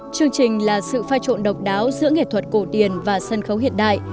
chương trình là sự phai trộn độc đáo giữa nghệ thuật cổ tiền và sân khấu hiện đại